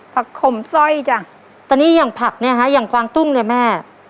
ผักขมสร้อยจ้ะตอนนี้ยังผักเนี้ยฮะยังกวางตุ้งเลยแม่